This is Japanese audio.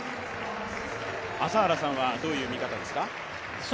朝原さんはどういう見方ですか？